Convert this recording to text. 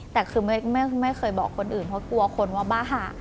แต่คือไม่เคยบอกคนอื่นเพราะกลัวคนว่าบ้าหะ